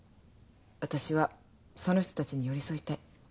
私はその人たちに寄り添いたい。